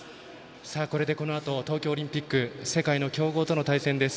これでこのあと東京オリンピック世界の強豪との対戦です。